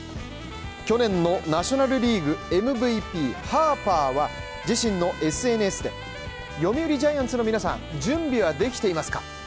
去年のナショナル・リーグＭＶＰハーパーは、自身のＳＮＳで読売ジャイアンツの皆さん、準備はできていますか？